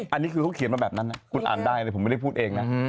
อันนี้คือเขาเขียนมาแบบนั้นนะคุณอ่านได้เลยผมไม่ได้พูดเองนะ